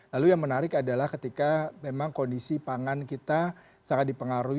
lalu yang menarik adalah ketika memang kondisi pangan kita sangat dipengaruhi